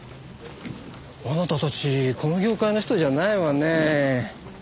あなたたちこの業界の人じゃないわねぇ。